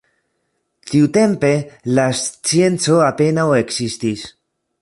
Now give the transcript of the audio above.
Tiutempe la scienco apenaŭ ekzistis.